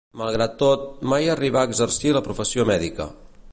Malgrat tot, mai arribà a exercir la professió mèdica.